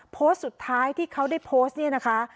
โพสต์สุดท้ายที่เขาได้โพสต์เนี่ยนะคะ